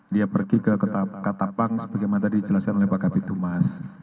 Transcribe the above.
dia pergi ke katapang sebagaimana tadi dijelaskan oleh pak kapitumas